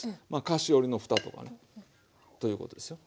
菓子折のふたとかねということですよ。